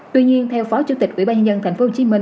tuy nhiên theo phó chủ tịch ủy ban nhân dân tp hcm